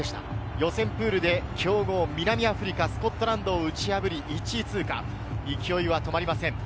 予選プールで強豪・南アフリカとスコットランドを打ち破り１位通過、勢いは止まりません。